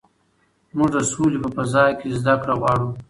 موږ د سولې په فضا کې زده کړه غواړو.